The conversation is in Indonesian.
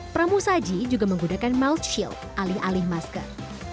pramu saji juga menggunakan melt shield alih alih masker